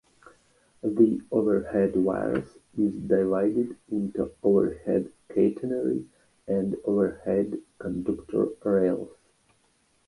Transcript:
The overhead wires is divided into overhead catenary and overhead conductor rails.